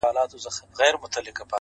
د خوبونو له گردابه يې پرواز دی!!